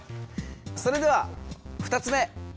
それでは２つ目！